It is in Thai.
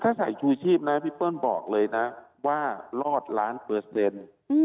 ถ้าใส่ชูชีพนะพี่เปิ้ลบอกเลยนะว่ารอดล้านเปอร์เซ็นต์